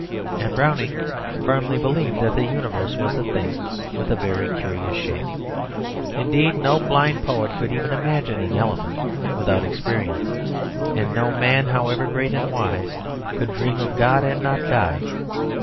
And Browning firmly believed that the Universe was a thing with a very curious shape indeed. No blind poet could even imagine an elephant without experience, and no man, however great and wise, could dream of God and not die.